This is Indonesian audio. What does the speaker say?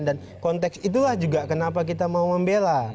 dan konteks itulah juga kenapa kita mau membela